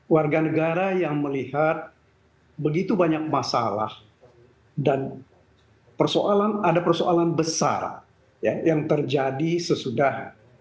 warga negara yang melihat begitu banyak masalah dan persoalan ada persoalan besar yang terjadi sesudah